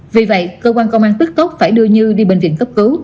vì vậy cơ quan công an tức tốc phải đưa như đi bệnh viện cấp cứu